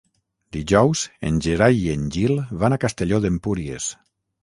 Dijous en Gerai i en Gil van a Castelló d'Empúries.